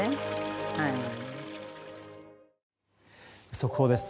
速報です。